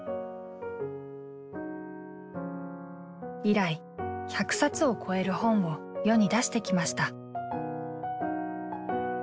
以来１００冊を超える本を世に出してきました。